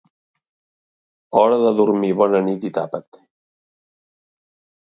Hora de dormir bona nit i tapa't